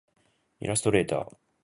イラストレーター